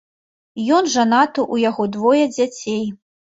Ён жанаты, у яго двое дзяцей.